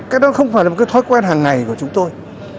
cái đó không phải là một cái thói quen hàng ngày của chúng tôi